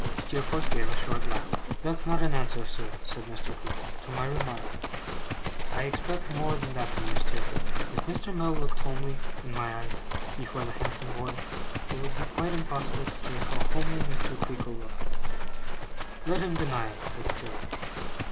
Steerforth gave a short laugh. 'That's not an answer, sir,' said Mr. Creakle, 'to my remark. I expect more than that from you, Steerforth.' If Mr. Mell looked homely, in my eyes, before the handsome boy, it would be quite impossible to say how homely Mr. Creakle looked. 'Let him deny it,' said Steerforth.